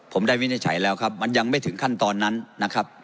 ผมได้วินิจฉัยแล้วครับมันยังไม่ถึงขั้นตอนนั้นนะครับ